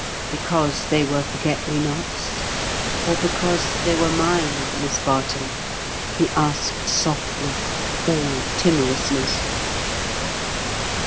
"Because they were forget me nots, or because they were mine, Miss Barton?" he asked softly, all timorousness.